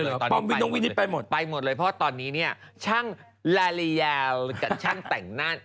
ไปหมดเลยเหรอป๊อมวินุ้งวินิตไปหมดไปหมดเลยเพราะว่าตอนนี้เนี่ยช่างลาเรียลกับช่างแต่งหน้า